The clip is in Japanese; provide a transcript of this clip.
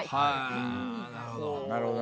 なるほどね。